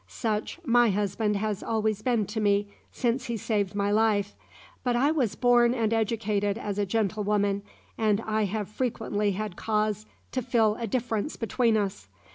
Such my husband has always been to me since he saved my life, but I was born and educated as a gentlewoman, and I have frequently had cause to feel a difference between us.